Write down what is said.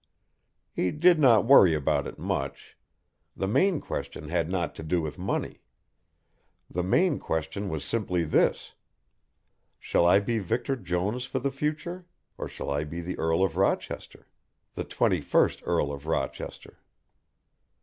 He did not worry about it much. The main question had not to do with money. The main question was simply this, shall I be Victor Jones for the future, or shall I be the Earl of Rochester? The twenty first Earl of Rochester?